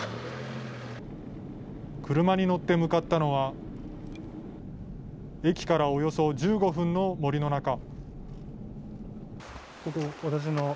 クルマに乗って向かったのは、駅からおよそ１５分の森の中。